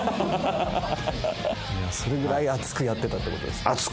ハハハそれぐらい熱くやってたってことですね。